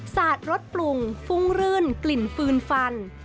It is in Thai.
สาดรสปรุงฟุ้งรื่นกลิ่นฟืนฟัน